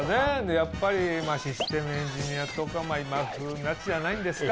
やっぱりシステムエンジニアとか今風なやつじゃないんですか？